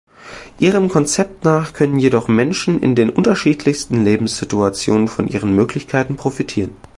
Ihrem Konzept nach können jedoch Menschen in den unterschiedlichsten Lebenssituationen von ihren Möglichkeiten profitieren.